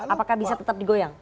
apakah bisa tetap digoyang